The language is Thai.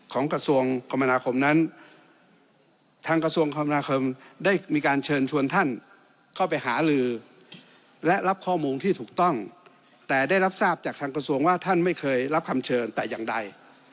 ของกระทรวงคมนาคมนั้นทางกระทรวงคมนาคมได้มีการเชิญชวนท่านเข้าไปหาลือและรับข้อมูลที่ถูกต้องแต่ได้รับทราบจากทางกระทรวงว่าท่านไม่เคยรับคำเชิญแต่อย่างใด